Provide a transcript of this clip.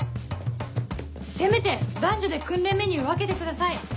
せめて男女で訓練メニューを分けてください。